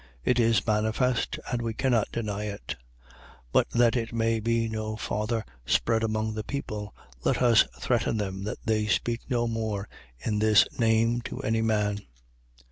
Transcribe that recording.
It is manifest: and we cannot deny it. 4:17. But that it may be no farther spread among the people, let us threaten them that they speak no more in this name to any man.